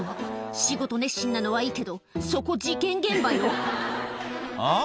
仕事熱心なのはいいけどそこ事件現場ようん？